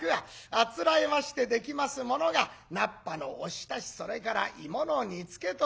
あつらえましてできますものが菜っぱのおひたしそれから芋の煮つけという。